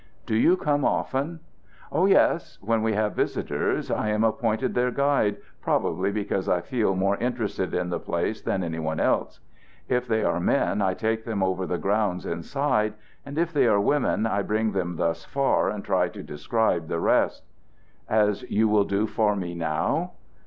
"Do you come often?" "Oh yes. When we have visitors, I am appointed their guide, probably because I feel more interest in the place than any one else. If they are men, I take them over the grounds inside; and if they are women, I bring them thus far and try to describe the rest." "As you will do for me now?"